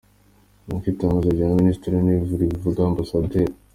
Nk'uko itangazo rya Minisitiri w'intebe ribivuga, Amb.